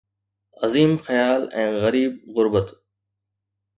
عظيم خيال ۽ غريب غربت.